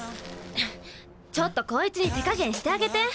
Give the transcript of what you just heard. ちょっとこいつに手加減してあげて！